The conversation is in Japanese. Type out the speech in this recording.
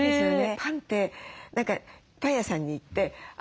パンって何かパン屋さんに行ってあ